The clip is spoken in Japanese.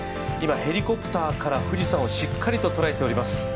今、ヘリコプターから富士山をしっかりと捉えております。